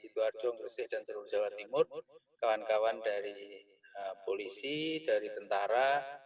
di jituarjung kresih dan seluruh jawa timur kawan kawan dari polisi dari tentara